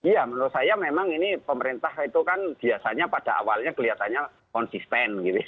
ya menurut saya memang ini pemerintah itu kan biasanya pada awalnya kelihatannya konsisten gitu ya